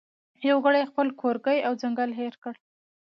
یو ګړی یې خپل کورګی او ځنګل هېر کړ